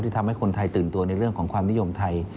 ทำให้คนไทยตื่นตัวในเรื่องของความนิยมไทย